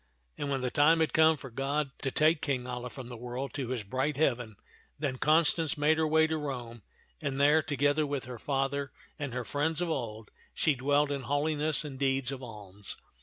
And when the time had come for God to take King Alia from the world to his bright heaven, then Constance made her way to Rome, and there, together with her father and her friends of old, she dwelt in holiness and deeds of alms.